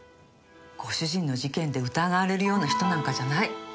ご主人の事件で疑われるような人なんかじゃない。